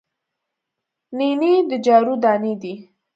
نینې د جوارو دانې دي